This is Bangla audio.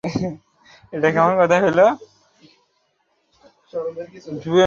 ওদের কথাবার্তা অনেকখানি কানে পৌঁছল।